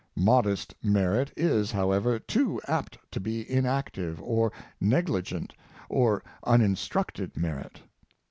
Modest merit is, however, too apt to be inactive, or negligent, or uninstructed merit.